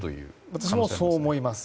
私もそう思います。